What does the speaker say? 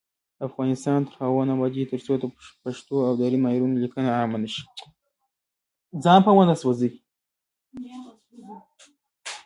افغانستان تر هغو نه ابادیږي، ترڅو د پښتو او دري معیاري لیکنه عامه نشي.